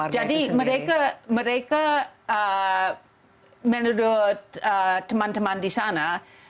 jadi mereka menurut teman teman di sana